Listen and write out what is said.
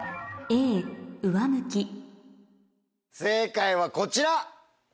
正解はこちら！